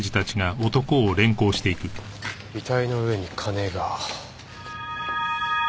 遺体の上に金が？